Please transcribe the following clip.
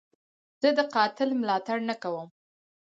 زه د قاتل ملاتړ نه کوم.